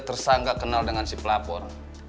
tersangka kenal dengan si pelapor